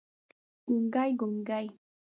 ګونګي، ګونګي